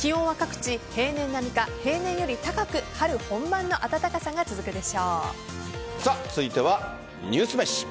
気温は各地平年並みか平年より高く続いてはニュースめし。